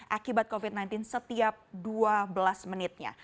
akibat covid sembilan belas setiap dua belas menitnya